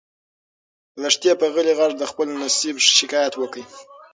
لښتې په غلي غږ د خپل نصیب شکایت وکړ.